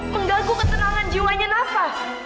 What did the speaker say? menggaguh ketenangan jiwanya nafa